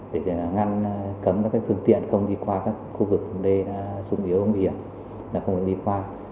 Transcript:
để ngăn cấm các phương tiện không đi qua các khu vực dùng yếu không bị hiểm không được đi qua